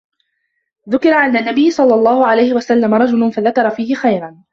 ذُكِرَ عِنْدَ النَّبِيِّ صَلَّى اللَّهُ عَلَيْهِ وَسَلَّمَ رَجُلٌ فَذَكَرَ فِيهِ خَيْرًا